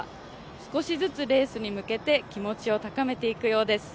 少しずつレースに向けて気持ちを高めていくようです。